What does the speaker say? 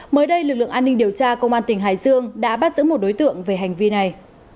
mới đây lực lượng an ninh điều tra công an tỉnh hải dương đã bắt giữ một đối tượng về hành vi này